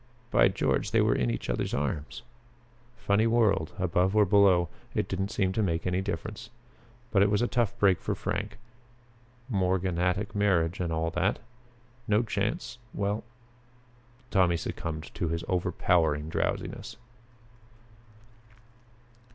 By George, they were in each other's arms! Funny world above or below it didn't seem to make any difference. But it was a tough break for Frank morganatic marriage and all that. No chance well Tommy succumbed to his overpowering drowsiness.